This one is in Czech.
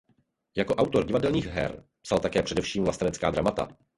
Jako autor divadelních her psal především vlastenecká dramata.